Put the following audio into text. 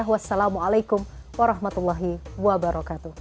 wassalamualaikum warahmatullahi wabarakatuh